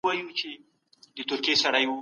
سیاست پوهنه به په تدریجي ډول وده وکړي.